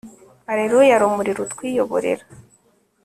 allelua, rumuri rutwiyoborera